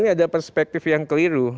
ini ada perspektif yang keliru